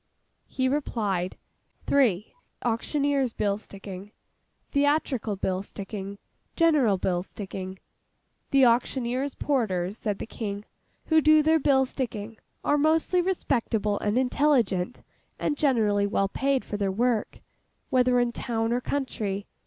He replied, three—auctioneers' bill sticking, theatrical bill sticking, general bill sticking. 'The auctioneers' porters,' said the King, 'who do their bill sticking, are mostly respectable and intelligent, and generally well paid for their work, whether in town or country.